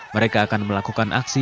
mereka akan melakukan aksi